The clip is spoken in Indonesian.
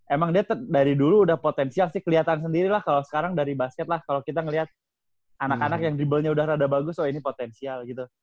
emang dia dari dulu udah potensial sih kelihatan sendiri lah kalau sekarang dari basket lah kalau kita ngeliat anak anak yang drible nya udah rada bagus oh ini potensial gitu